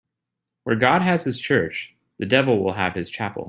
Where God has his church, the devil will have his chapel.